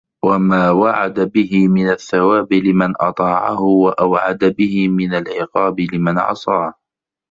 وَمَا وَعَدَ بِهِ مِنْ الثَّوَابِ لِمَنْ أَطَاعَهُ وَأَوْعَدَ بِهِ مِنْ الْعِقَابِ لِمَنْ عَصَاهُ